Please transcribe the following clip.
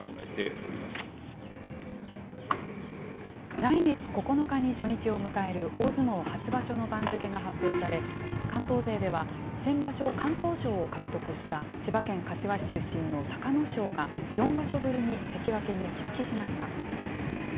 来月９日に初日を迎える大相撲初場所の番付が発表され、関東勢では、先場所、敢闘賞を獲得した千葉県柏市出身の隆の勝が、４場所ぶりに関脇に復帰しました。